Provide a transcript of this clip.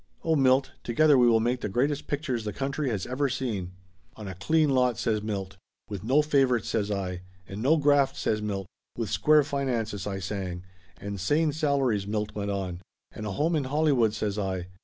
"Oh, Milt, together we will make the greatest pictures the country has ever seen." "On a clean lot," says Milt. "With no favorites," says I. "And no graft !" says Milt. "With square finances," I sang. "And sane salaries," Milt went on. "And a home in Hollywood," says I.